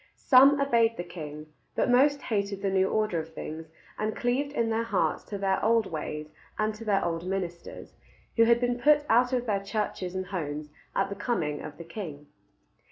Some obeyed the king; but most hated the new order of things, and cleaved in their hearts to their old ways and to their old ministers, who had been put out of their churches and homes at the coming of the king.